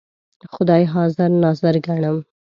خدای حاضر ناظر ګڼم.